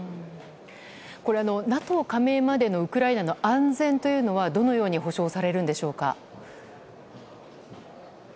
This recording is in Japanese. これはＮＡＴＯ加盟までのウクライナの安全というのはどのように保障されるのでしょうか。